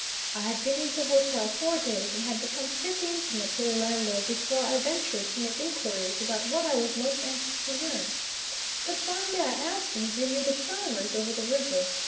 I had been in the hotel four days and had become pretty intimate with the landlord before I ventured to make inquiries about what I was most anxious to learn; but finally I asked him if he knew the Scheimers over the river?